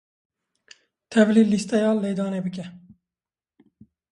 Tevlî lîsteya lêdanê bike.